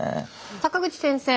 坂口先生